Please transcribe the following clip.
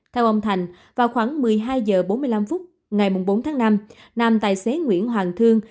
theo ông thành vào khoảng một mươi hai h bốn mươi năm phút ngày bốn tháng năm nam tài xế nguyễn hoàng thương